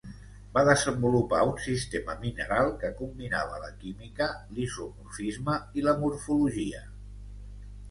Va desenvolupar un sistema mineral que combinava la química l'isomorfisme i la morfologia.